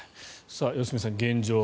良純さん、現状